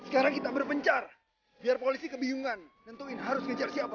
hai sekarang kita berpencar biar polisi kebingungan tentuin harus kejar siapa